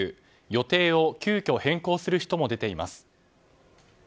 予定を急きょ変更する人も出ています。